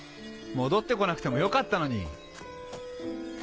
戻って来なくてもよかったのに。